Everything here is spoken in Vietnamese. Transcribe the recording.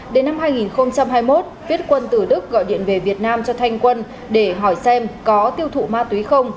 đến năm hai nghìn hai mươi một viết quân từ đức gọi điện về việt nam cho thanh quân để hỏi xem có tiêu thụ ma túy không